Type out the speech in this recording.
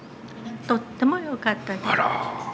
とってもよかったです。